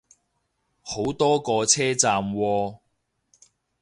好多個車站喎